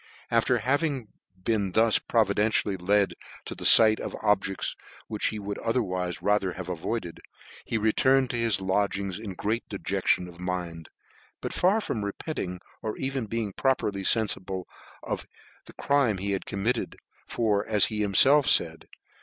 After having been thus providentially led to the fight of objects which he wouldotherwife rather havcavoid ed, he returned to his lodgings in great dejection of mind, but far from repenting or even being properly fenfible of the crime he had committed ; tor, as he himfelf faid